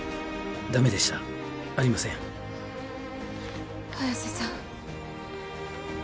ダメでしたありません早瀬さん